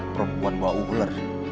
perempuan bau ular